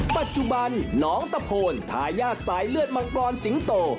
ปัจจุบันน้องตะโพนทายาทสายเลือดมังกรสิงโต